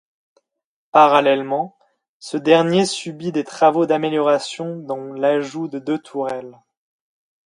Parallèlement, ce dernier subit des travaux d'améliorations dont l'ajout de deux tourelles.